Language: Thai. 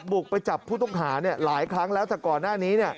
บุกไปจับผู้ต้องหาหลายครั้งแล้วแต่ก่อนหน้านี้